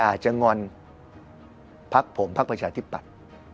แต่อาจจะงอนพรรคผมพรรคประชาธิปัตย์